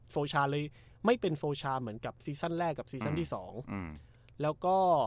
โซชาเลยไม่เป็นโฟชาเหมือนกับซีซั่นแรกกับซีซั่นที่สองอืมแล้วก็